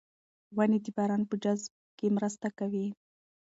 ونې د باران په جذب کې مرسته کوي.